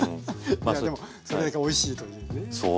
まあでもそれだけおいしいというね。